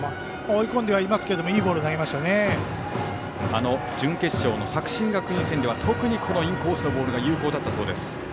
追い込んではいますけど準決勝の作新学院戦では特にインコースのボールが有効だったそうです。